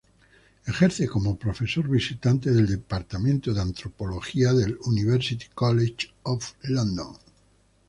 Ejerce como profesor visitante del Departamento de Antropología del University College of London.